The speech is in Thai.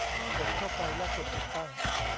กดเข้าไป และกดติดตั้ง